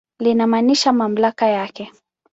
Linamaanisha mamlaka yake.